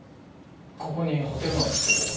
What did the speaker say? ここにホテルマン写ってるけど。